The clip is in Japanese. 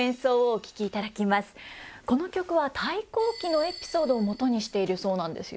この曲は「太閤記」のエピソードをもとにしているそうなんですよ。